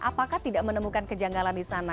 apakah tidak menemukan kejanggalan di sana